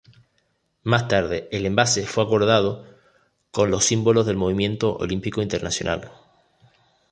Más tarde, el envase fue acordado con los símbolos del Movimiento Olímpico Internacional.